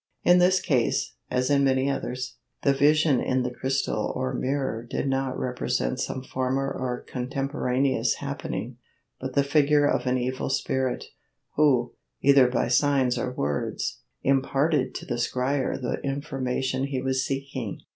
In this case, as in many others, the vision in the crystal or mirror did not represent some former or contemporaneous happening, but the figure of an evil spirit, who, either by signs or words, imparted to the scryer the information he was seeking.